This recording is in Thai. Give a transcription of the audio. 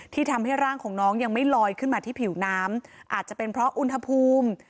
ทำให้ร่างของน้องยังไม่ลอยขึ้นมาที่ผิวน้ำอาจจะเป็นเพราะอุณหภูมิ